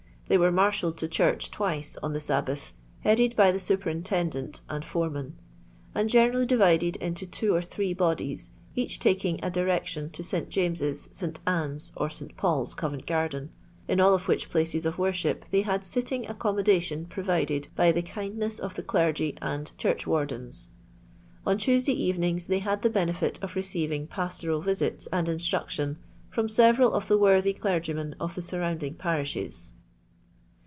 They were marshalled to church twice on the Sabbath, headed by the superintendent and foremen ; and genendly divided into two or three bodies, each teking a direction to St James's, St. Anne's, or St Paul's, Covent Qarden ; in all of which places of worship they bad fitting accommodation provided by the kind ness of the clergy and churchwardens. On Tuesday evenings they had the benefit of receiving pastoral visits and instruction from several of tho worthy clergymen of the surrounding parishes."